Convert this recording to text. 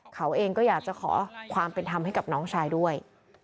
เขาเองก็อยากจะขอความเป็นธรรมให้กับน้องชายด้วย